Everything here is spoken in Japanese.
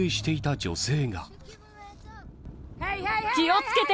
気をつけて！